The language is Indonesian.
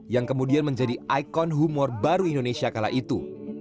yang kemudian menjadi ikon humor baru indonesia kala itu